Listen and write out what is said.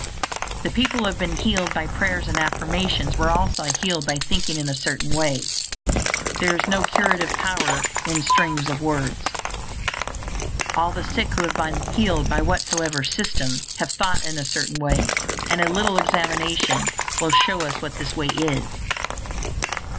The people who have been healed by prayers and affirmations were also healed by thinking in a certain way; there is no curative power in strings of words. All the sick who have been healed, by whatsoever "system," have thought in a certain way; and a little examination will show us what this way is.